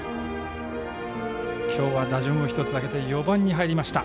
今日は打順を１つ上げて４番に入りました。